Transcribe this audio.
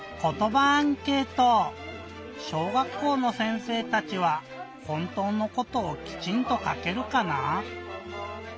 小学校の先生たちはほんとうのことをきちんとかけるかなぁ？